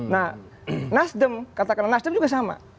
nah nasdem katakanlah nasdem juga sama